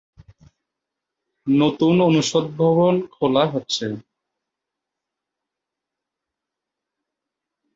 নতুন অনুষদ ভবন খোলা হচ্ছে।